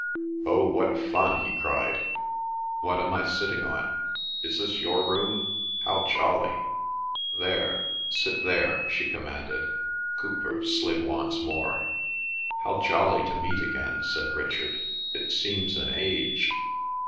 "Oh, what fun!" he cried. "What am I sitting on? Is this your room? How jolly!" "There—sit there," she commanded. Cowper slid once more. "How jolly to meet again," said Richard. "It seems an age.